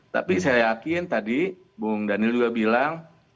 tapi saya yakin tadi bung daniel juga bilang